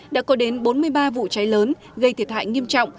đã có đến bốn mươi ba vụ cháy lớn gây thiệt hại nghiêm trọng